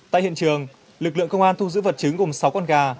tại hiện trường lực lượng công an thu giữ vật chứng gồm sáu con gà